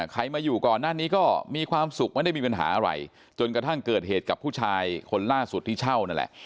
ใครมาอยู่ก่อนหน้านี้ก็มีความสุขไม่ได้มีปัญหาอะไรจนกระทั่งเกิดเหตุกับผู้ชายคนล่าสุดที่เช่านั่นแหละ